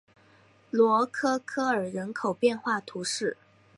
罗科科尔人口变化图示